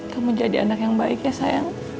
kamu jadi anak yang baik ya sayang